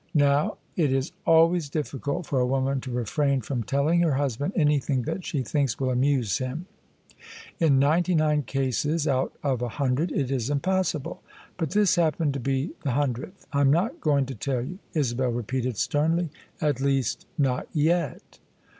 Now It is always difficult for a woman to refrain from telling her husband anything that she thinks will amuse him: in ninety nine cases out of a hundred it is impossible. But this happened to be the hundredth. " I'm not going to tell you," Isabel repeated sternly: " at least, not yet."